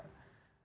ini kan sebuah hal